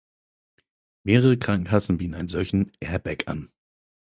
Mehrere Krankenkasse bieten einen solchen „airbag“ an.